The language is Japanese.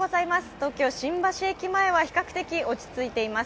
東京・新橋駅前は比較的、落ち着いています。